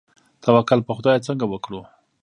توکل په خدای څنګه وکړو؟